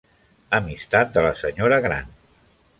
Amistat de la senyora gran.